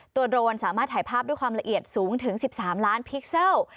โดรนสามารถถ่ายภาพด้วยความละเอียดสูงถึง๑๓ล้านพิกเซล